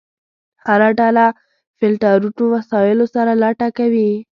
هر ډله فلټرونو وسایلو سره لټه کوي.